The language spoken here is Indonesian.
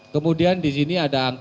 kemudian disini ada